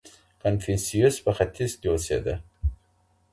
کنفوسیوس په ختیځ کي اوسېده.